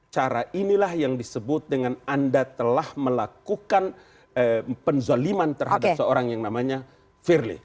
cara inilah yang disebut dengan anda telah melakukan penzaliman terhadap seorang yang namanya firly